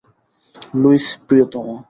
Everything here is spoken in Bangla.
লুইস, প্রিয়তম।